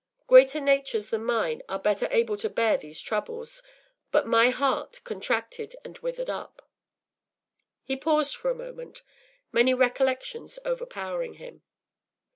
Greater natures than mine are better able to bear these troubles, but my heart contracted and withered up.” He paused for a moment, many recollections overpowering him.